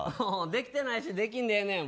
できてないしできんでええねん